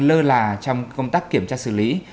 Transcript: lơ là trong công tác kiểm tra xử lý